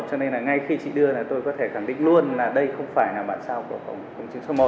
cho nên là ngay khi chị đưa là tôi có thể khẳng định luôn là đây không phải là bản sao của công chứng số một